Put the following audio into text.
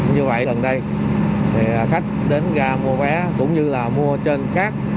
như vậy gần đây khách đến gà mua vé cũng như là mua trên khác